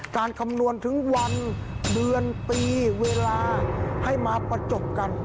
คำนวณถึงวันเดือนปีเวลาให้มาประจบกัน